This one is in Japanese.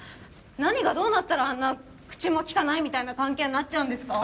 何がどうなったらあんな口もきかないみたいな関係になっちゃうんですか？